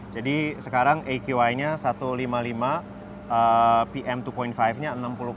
jadi sekarang aqi nya satu ratus lima puluh lima pm dua lima nya enam puluh empat